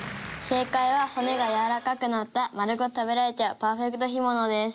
正解は骨がやわらかくなった丸ごと食べられちゃうパーフェクト干物です。